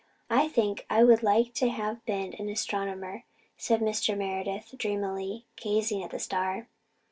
"I think I would like to have been an astronomer," said Mr. Meredith dreamily, gazing at the star.